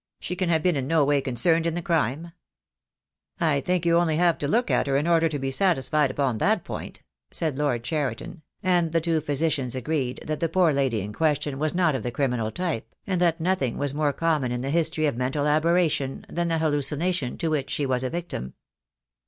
She can have been in no way concerned in the crime?" "I think you have only to look at her in order to be satisfied upon that point," said Lord Cheriton; and the two physicians agreed that the poor lady in question was not of the criminal type, and that nothing was more com mon in the history of mental aberration than the hal lucination to which she was a victim.